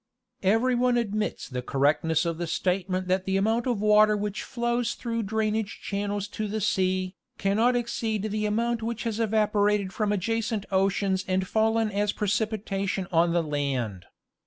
. Everyone admits the correctness of the statement that the amount of water which flows through drainage channels to the sea, cannot exceed the amount which has evaporated from adjacent oceans and fallen as precipitation on the land.